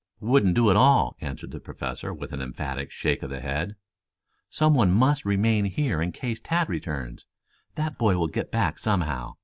"Wouldn't do at all," answered the Professor, with an emphatic shake of the head. "Some one must remain here in case Tad returns. That boy will get back somehow.